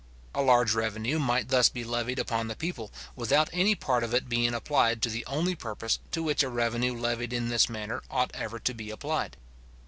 A large revenue might thus be levied upon the people, without any part of it being applied to the only purpose to which a revenue levied in this manner ought ever to be applied.